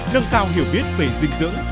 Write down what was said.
nâng cao hiểu biết về dinh dưỡng